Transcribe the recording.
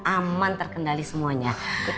aman terkendali semuanya